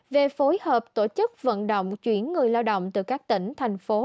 về phối hợp tổ chức vận động chuyển người lao động từ các tỉnh thành phố